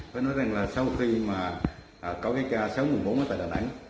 phải nói rằng là sau khi mà có cái ca sáu trăm bốn mươi bốn ở đà nẵng